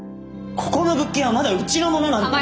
ここの物件はまだうちのものなんだ。